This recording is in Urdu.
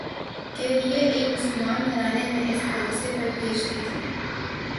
کے لئے ایک مسلمان گھرانے میں اِس بھروسے پر بھیج دی تھی